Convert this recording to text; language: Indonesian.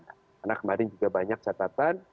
karena kemarin juga banyak catatan